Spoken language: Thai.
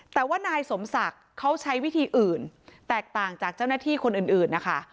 แต่ว่านายสมศักดิ์เขาใช้วิธีอื่นแตกต่างจากเจ้าหน้าที่คนอื่นนะคะ